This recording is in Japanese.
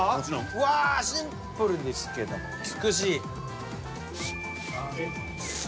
うわシンプルですけども美しい。